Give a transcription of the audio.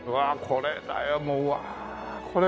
これだよ。